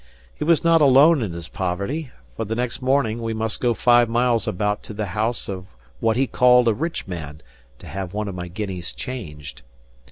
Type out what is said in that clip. He was not alone in his poverty; for the next morning, we must go five miles about to the house of what he called a rich man to have one of my guineas changed.